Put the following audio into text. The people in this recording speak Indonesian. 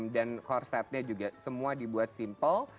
dan corsetnya juga semua dibuat simple